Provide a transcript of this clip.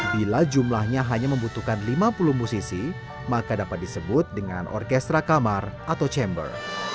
bila jumlahnya hanya membutuhkan lima puluh musisi maka dapat disebut dengan orkestra kamar atau chamber